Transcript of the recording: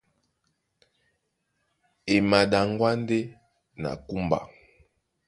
E maɗaŋgwá ndé na kúmba.